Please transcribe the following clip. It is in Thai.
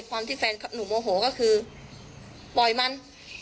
ความที่แฟนหนูโมโหก็คือปล่อยมัน